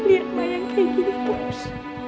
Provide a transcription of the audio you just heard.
lihat bayang kayak gini terus